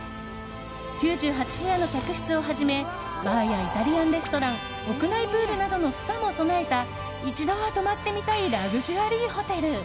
９８部屋の客室をはじめバーやイタリアンレストラン屋内プールなどのスパも備えた一度は泊まってみたいラグジュアリーホテル。